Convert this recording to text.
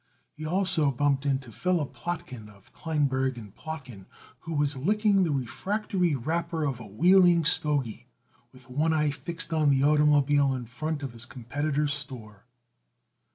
He almost bumped into Philip Plotkin, of Kleinberg & Plotkin, who was licking the refractory wrapper of a Wheeling stogy, with one eye fixed on the automobile in front of his competitors' store.